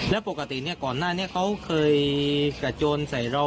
และปกติก่อนหน้านี้เคยกับโจรใส่เรา